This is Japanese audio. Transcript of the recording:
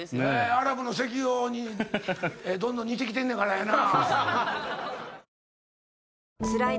アラブの石油王にどんどん似てきてんのやからやな。